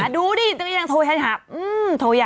ดูดิดูดิก็ยังโทรหาโทรใหญ่